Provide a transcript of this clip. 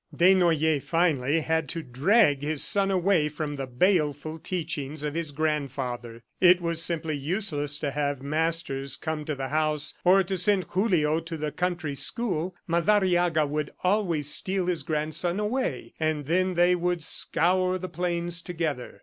Desnoyers finally had to drag his son away from the baleful teachings of his grandfather. It was simply useless to have masters come to the house, or to send Julio to the country school. Madariaga would always steal his grandson away, and then they would scour the plains together.